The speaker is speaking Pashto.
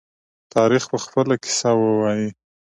تاریخ به خپله قصه ووايي.